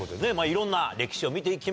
いろんな歴史を見て来ました。